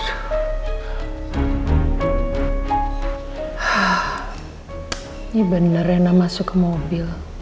ini bener reina masuk ke mobil